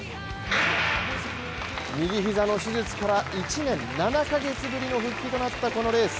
右膝の手術から１年７か月ぶりの復帰となったこのレース。